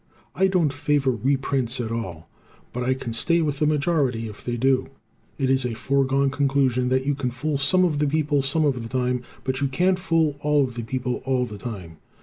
I don't favor reprints at all, but I can stay with the majority if they do. It is a foregone conclusion that you can fool some of the people some of the time, but you can't fool all of the people all the time.